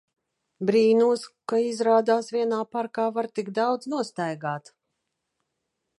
Brīnos, ka izrādās vienā parkā var tik daudz nostaigāt.